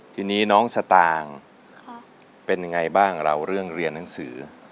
ทีนี้น้องสตางค์เป็นยังไงบ้างเราเรื่องเรียนหนังสือ